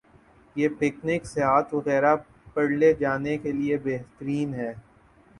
۔ یہ پکنک ، سیاحت وغیرہ پرلے جانے کے لئے بہترین ہے۔